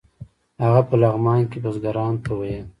هغه په لغمان کې بزګرانو ته ویل.